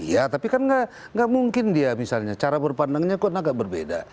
ya tapi kan nggak mungkin dia misalnya cara berpandangnya kan agak berbeda